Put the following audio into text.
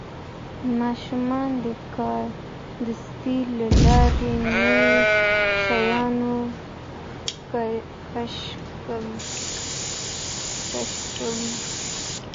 ماشومان د کاردستي له لارې نوي شیان کشفوي.